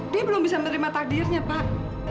dia belum bisa menerima takdirnya pak